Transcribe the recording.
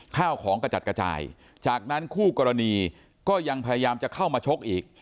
ข้าวของกระจัดกระจายจากนั้นคู่กรณีก็ยังพยายามจะเข้ามาชกอีก